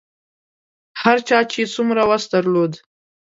هر چا چې څومره وس درلود.